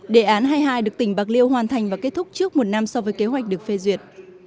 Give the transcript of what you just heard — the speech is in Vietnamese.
đề án hai mươi hai được tỉnh bạc liêu hoàn thành và kết thúc trước một năm so với kế hoạch được phê duyệt